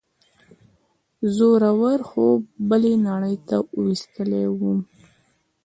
زوره ور خوب بلې نړۍ ته وروستلی وم.